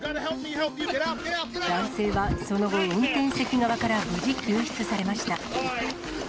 男性はその後、運転席側から無事救出されました。